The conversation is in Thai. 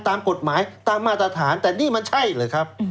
ตามกฎหมายตามมาตรฐานแต่นี่มันใช่หรือครับ